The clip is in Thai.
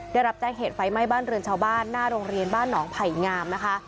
ได้รับแจ้งเหตุไฟไหม้บ้านเรือนชาวบ้านหน้าโรงเรียนบ้านหนองไผ่งามนะคะ